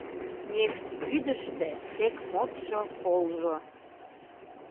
Нефть вӱдыштӧ тек модшо колжо